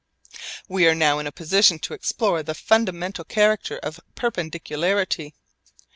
We are now in a position to explore the fundamental character of perpendicularity.